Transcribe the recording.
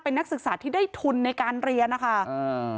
เป็นนักศึกษาที่ได้ทุนในการเรียนนะคะอ่า